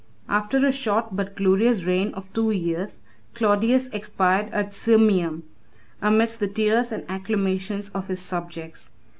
After a short but glorious reign of two years, Claudius expired at Sirmium, amidst the tears and acclamations of his subjects.